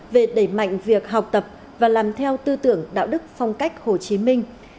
về đẩy mạnh việc học tập và làm theo tư tưởng đạo đức phong cách hồ chí minh